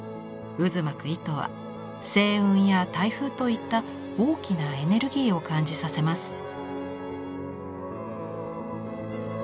渦巻く糸は星雲や台風といった大きなエネルギーを感じさせます。